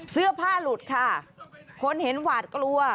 เสื้อผ้าหลุดค่ะคนเห็นหวาดกลัว